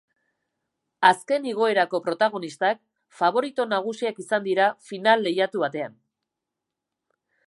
Azken igoerako protagonistak faborito nagusiak izan dira, final lehiatu batean.